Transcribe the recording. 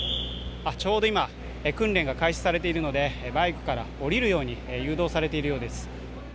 ちょうど今、訓練が開始されているのでバイクから降りるように誘導されているようです。